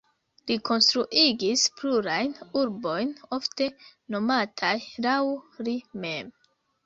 Li konstruigis plurajn urbojn, ofte nomataj laŭ li mem.